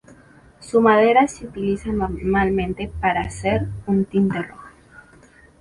Su madera se utiliza normalmente para hacer un tinte rojo.